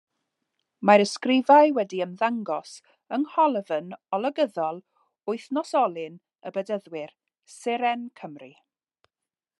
Mae'r ysgrifau wedi ymddangos yng ngholofn olygyddol wythnosolyn y Bedyddwyr, Seren Cymru.